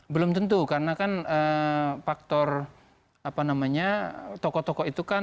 belum tentu karena kan faktor apa namanya tokoh tokoh itu kan